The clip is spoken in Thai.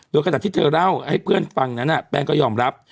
โดยขนาดที่เธอเล่าให้เพื่อนฟังนั้นแป้งก็ยอมรับ